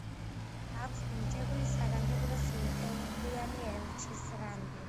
აქვს მინიჭებული საგანგებო და სრულუფლებიანი ელჩის რანგი.